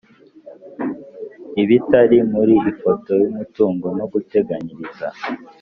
ibitari mu ifoto y umutungo no guteganyiriza